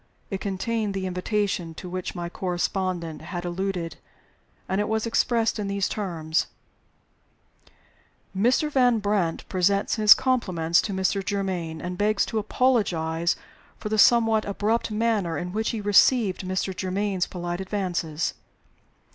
It contained the "invitation" to which my correspondent had alluded, and it was expressed in these terms: "Mr. Van Brandt presents his compliments to Mr. Germaine, and begs to apologize for the somewhat abrupt manner in which he received Mr. Germaine's polite advances.